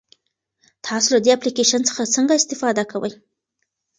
تاسو له دې اپلیکیشن څخه څنګه استفاده کوئ؟